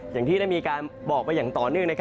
อย่างที่ได้มีการบอกไปอย่างต่อเนื่อง